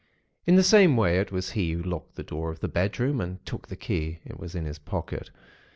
"In the same way, it was he who locked the door of the bedroom, and took the key (it was in his pocket).